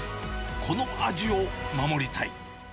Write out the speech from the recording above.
この味を守りたい。